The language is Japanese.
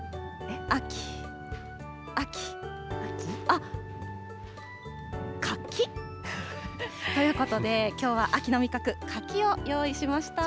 秋、秋、秋、秋、あっ、柿？ということで、きょうは秋の味覚、柿を用意しました。